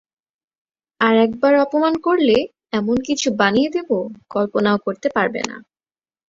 আর একবার অপমান করলে এমন কিছু বানিয়ে দেবো, কল্পনাও করতে পারবে না।